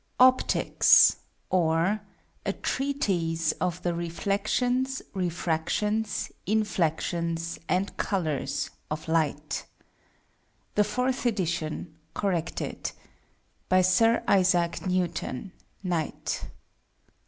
OPTICKS: OR, A TREATISE OF THE Reflections, Refractions, Inflections and Colours OF LIGHT. The FOURTH EDITION, corrected. By Sir ISAAC NEWTON, Knt.